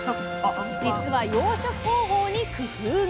実は養殖方法に工夫が。